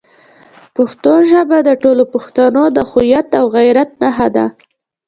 پښتو ژبه د ټولو پښتنو د هویت او غیرت نښه ده.